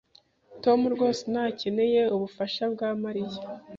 Tom rwose ntakeneye ubufasha bwa Mariya.